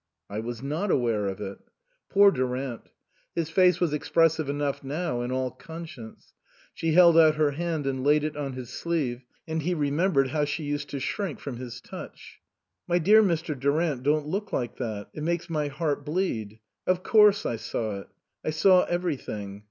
" I was not aware of it." Poor Durant. His face was expressive enough now in all conscience. She held out her hand and laid it on his sleeve, and he remembered how she used to shrink from his touch. " My dear Mr. Durant, don't look like that ; it makes my heart bleed. Of course I saw it. I saw everything.